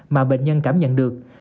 mà bệnh nhân cảm nhận được